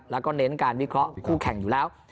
แล้วก็เน้นการวิเคราะห์คู่แข่งอยู่แล้ว